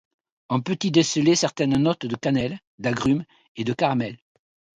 On peut y déceler certaines notes de cannelle, d'agrumes et de caramel.